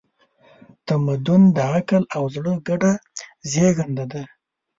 تمدن د عقل او زړه ګډه زېږنده ده.